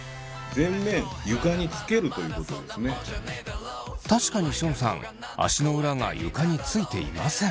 確かにションさん足の裏が床についていません。